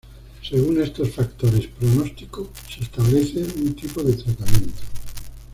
Según estos factores pronóstico se establece un tipo de tratamiento.